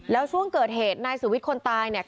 แล้วช่วงเกิดเหตุนายสุวิทย์คนตายเนี่ย